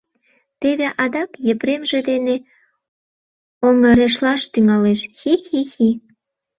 — Теве адак Епремже дене оҥырешлаш тӱҥалеш, хи-хи-хи!